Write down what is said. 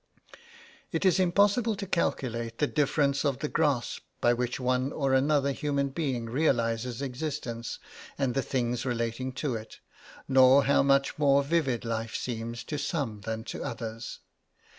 It is impossible to calculate the difference of the grasp by which one or another human being realises existence and the things relating to it, nor how much more vivid life seems to some than to others.